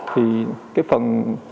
thì cái phần